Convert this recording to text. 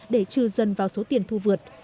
để trừ dân vào số tiền thu vượt